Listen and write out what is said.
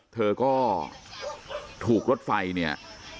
เธอก็ถูกรถไฟเนี่ย